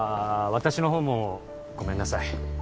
私のほうもごめんなさい